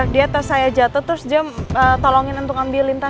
di how are you dipembunyi kita